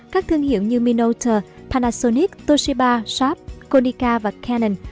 các thương hiệu như minolta panasonic toshiba sharp konica và canon